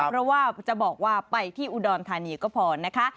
เพราะว่าจะบอกว่าไปที่อุดรธานีก็พอนะคะ